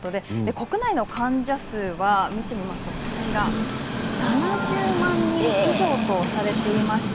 国内の患者数は７０万人以上とされています。